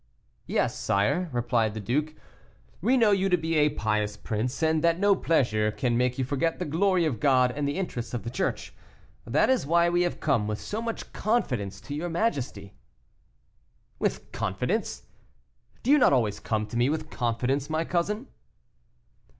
"Yes, sire," replied the duke, "we know you to be a pious prince, and that no pleasure can make you forget the glory of God and the interests of the Church. That is why we have come with so much confidence to your majesty." "With confidence! Do you not always come to me with confidence, my cousin?"